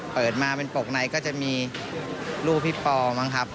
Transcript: เปิดมาเป็นปกในก็จะมีรูปพี่ปอบ้างครับ